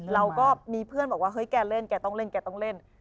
เราก็มีเพื่อนบอกว่าเฮ้ยแกเล่นแกต้องเล่นแกต้องเล่น